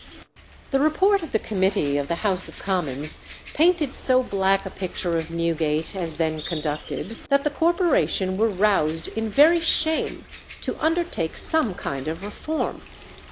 The report of the Committee of the House of Commons painted so black a picture of Newgate as then conducted, that the Corporation were roused in very shame to undertake some kind of reform.